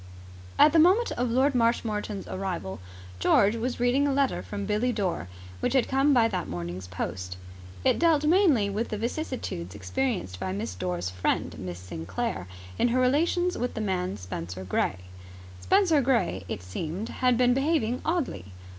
At the moment of Lord Marshmoreton's arrival, George was reading a letter from Billie Dore, which had come by that morning's post. It dealt mainly with the vicissitudes experienced by Miss Dore's friend, Miss Sinclair, in her relations with the man Spenser Gray. Spenser Gray, it seemed, had been behaving oddly.